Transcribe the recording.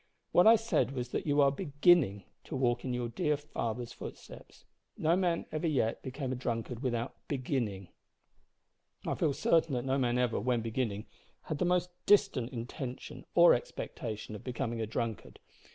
What I said was that you are beginning to walk in your dear father's footsteps. No man ever yet became a drunkard without beginning. And I feel certain that no man ever, when beginning, had the most distant intention or expectation of becoming a drunkard.